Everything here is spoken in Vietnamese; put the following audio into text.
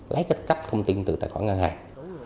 lấy cái cấp thông tin từ tài khoản ngân hàng